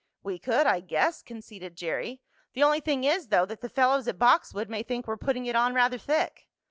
"We could, I guess," conceded Jerry. "The only thing is, though, that the fellows at Boxwood may think we're putting it on rather thick."